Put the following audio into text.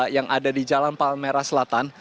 yang ada di jalan palmerah selatan